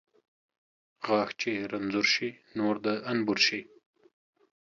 غاښ چې رنځور شي ، نور د انبور شي